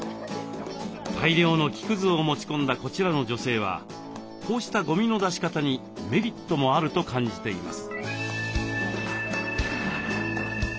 大量の木くずを持ち込んだこちらの女性はこうしたゴミの出し方にメリットもあると感じています。